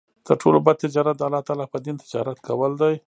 تر ټولو بَد تجارت د الله تعالی په دين تجارت کول دی